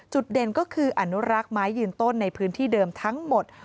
เด่นก็คืออนุรักษ์ไม้ยืนต้นในพื้นที่เดิมทั้งหมด